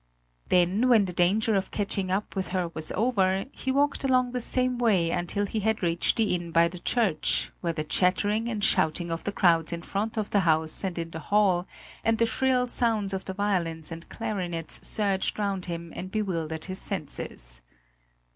Then, when the danger of catching up with her was over, he walked along the same way until he had reached the inn by the church, where the chattering and shouting of the crowds in front of the house and in the hall and the shrill sounds of the violins and clarinets surged round him and bewildered his senses.